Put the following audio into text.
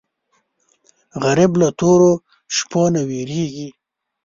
غریب له تورو شپو نه وېرېږي